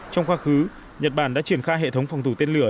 trong quá khứ nhật bản đã triển khai hệ thống phòng thủ tên lửa